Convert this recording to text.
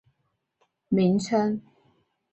惕隐是契丹族处理契丹贵族政教事务官的名称。